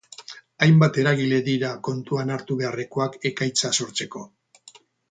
Hainbat eragile dira kontuan hartu beharrekoak ekaitza sortzeko.